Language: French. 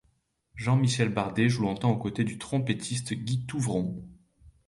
Jean-Michel Bardet joue longtemps aux côtés du trompettiste Guy Touvron.